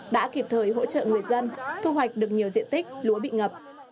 đã kịp thời hỗ trợ người dân thu hoạch được nhiều diện tích lúa bị ngập